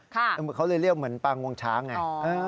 เขาเลยเรียกเหมือนปางงวงช้างไง